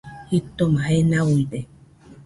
Jitoma jae nauide